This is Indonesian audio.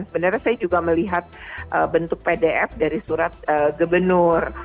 sebenarnya saya juga melihat bentuk pdf dari surat gubernur